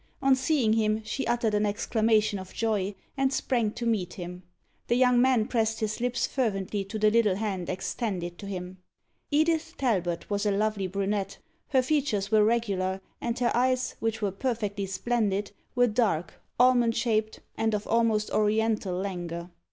On seeing him, she uttered an exclamation of joy, and sprang to meet him. The young man pressed his lips fervently to the little hand extended to him. Edith Talbot was a lovely brunette. Her features were regular, and her eyes, which were perfectly splendid, were dark, almond shaped, and of almost Oriental languor.